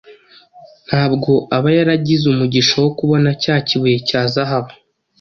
nta bwo aba yaragize umugisha wo kubona cya kibuye cya zahabu.